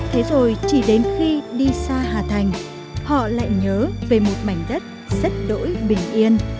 thế rồi chỉ đến khi đi xa hà thành họ lại nhớ về một mảnh đất rất đỗi bình yên